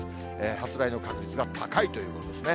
発雷の確率が高いということですね。